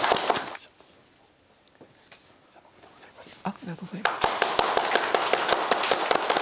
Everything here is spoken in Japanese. ありがとうございます。